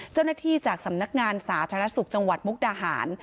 เจ้าหน้าที่จากสำนักงานสาธารณสุขจังหวัดมุกดาหาร